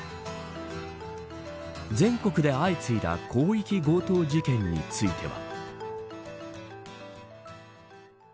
全国で相次いだ広域強盗事件については。